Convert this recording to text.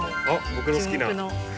あっ僕の好きな。